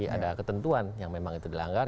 ada ketentuan yang memang itu dilanggar